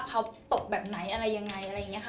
เขาตบแบบไหนอะไรยังไงอะไรอย่างนี้ค่ะ